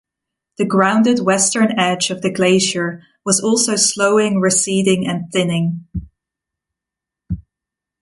The grounded western edge of the glacier was also slowing receding and thinning.